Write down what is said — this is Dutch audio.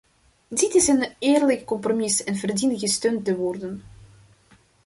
Dit is een eerlijk compromis en verdient gesteund te worden!